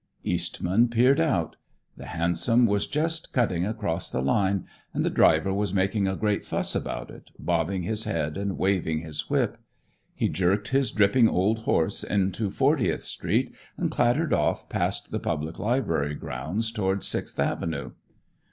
Eastman peered out. The hansom was just cutting across the line, and the driver was making a great fuss about it, bobbing his head and waving his whip. He jerked his dripping old horse into Fortieth Street and clattered off past the Public Library grounds toward Sixth Avenue.